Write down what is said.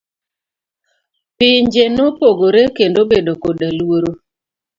Pinje nopogore kendo obedo koda luoro.